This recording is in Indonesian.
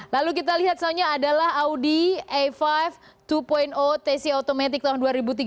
lalu kita lihat soalnya adalah audi a lima dua tc automatic tahun dua ribu tiga belas